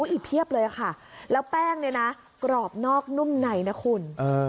อีกเพียบเลยค่ะแล้วแป้งเนี่ยนะกรอบนอกนุ่มในนะคุณ